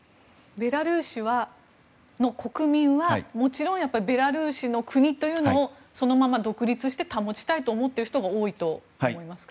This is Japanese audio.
ベラルーシの国民はもちろん、ベラルーシの国をそのまま独立して保ちたいと思っている人が多いと思いますか？